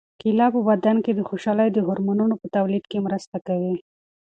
کیله په بدن کې د خوشالۍ د هورمونونو په تولید کې مرسته کوي.